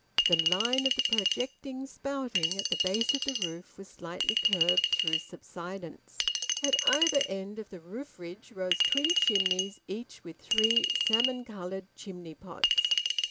The line of the projecting spouting at the base of the roof was slightly curved through subsidence; at either end of the roof ridge rose twin chimneys each with three salmon coloured chimney pots.